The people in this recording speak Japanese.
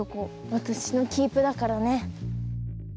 私のキープだからね。